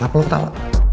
gak perlu ketawa